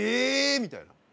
みたいな。